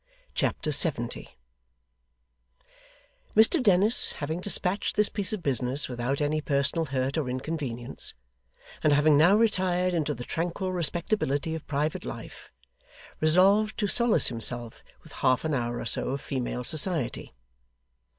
Chapter 70 Mr Dennis having despatched this piece of business without any personal hurt or inconvenience, and having now retired into the tranquil respectability of private life, resolved to solace himself with half an hour or so of female society.